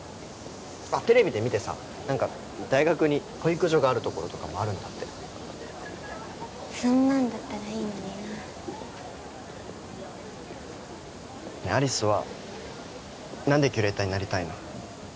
テレビで見てさ何か大学に保育所があるところとかもあるんだってそんなんだったらいいのにな有栖は何でキュレーターになりたいの？